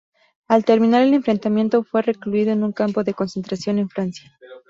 Al terminar el enfrentamiento, fue recluido en un campo de concentración en Francia.